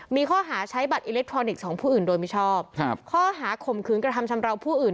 มีข้อหาใช้บัตรอิเล็กทรอนิกส์ของผู้อื่นโดยมิชอบครับข้อหาข่มขืนกระทำชำราวผู้อื่น